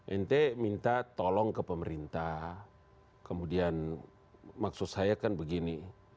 ente minta tolong ke pemerintah kemudian maksud saya kan begini